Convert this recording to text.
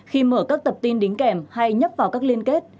khi mở các tập tin đính kèm hay nhấp vào các liên kết